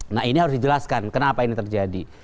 nah ini harus dijelaskan kenapa ini terjadi